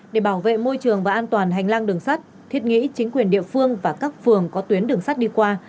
để bảo vệ môi trường và an toàn hành lang đường sắt thiết nghĩ chính quyền địa phương và các phường có tuyến đường sắt đi qua